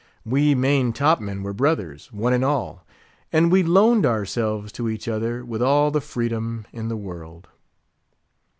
We main top men were brothers, one and all, and we loaned ourselves to each other with all the freedom in the world.